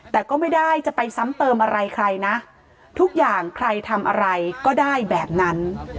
แต่ก็ไม่ได้จะไปซ้ำเติมอะไรใครนะทุกอย่างใครทำอะไรก็ได้แบบนั้น